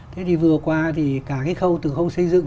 thế thì vừa qua thì cả cái khâu từ khâu xây dựng